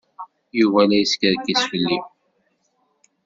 Yuba la yeskerkis fell-i.